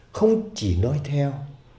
không chỉ nói theo